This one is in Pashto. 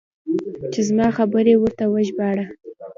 چې زما خبرې ورته وژباړه.